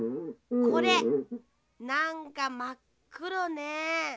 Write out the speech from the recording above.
これなんかまっくろね。